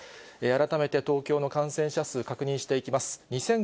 改めて東京の感染者数、確認していきます。